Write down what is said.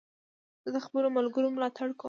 زه د خپلو ملګرو ملاتړ کوم.